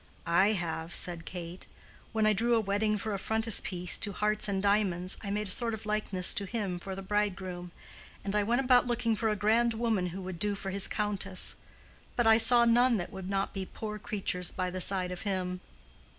"I have," said Kate. "When I drew a wedding for a frontispiece to 'Hearts and Diamonds,' I made a sort of likeness to him for the bridegroom, and I went about looking for a grand woman who would do for his countess, but I saw none that would not be poor creatures by the side of him."